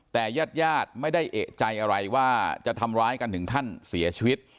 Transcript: แต่ญาติญาติไม่ได้เอกใจอะไรว่าจะทำร้ายกันถึงขั้นเสียชีวิต